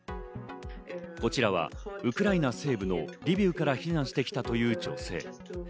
こちらはウクライナ西部のリビウから避難してきたという女性。